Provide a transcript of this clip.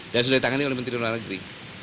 dan sudah ditangani oleh menteri luar negeri